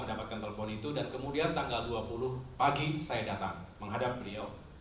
mendapatkan telepon itu dan kemudian tanggal dua puluh pagi saya datang menghadap beliau